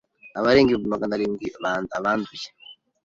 abarenga ibihumbi magana rindwi abanduye